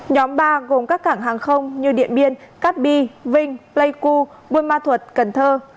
nhóm ba gồm các cảng hàng không như điện biên cát bi vinh pleiku buôn ma thuật cần thơ